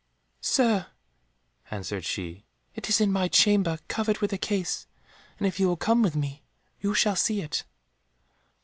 "Sir," answered she, "it is in my chamber covered with a case, and if you will come with me, you shall see it."